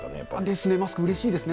ですね、マスク、うれしいですね。